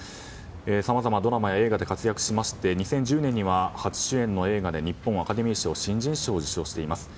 さまざまなドラマや映画で活躍しまして２０１０年には初主演の映画で日本アカデミー賞新人賞を受賞しています。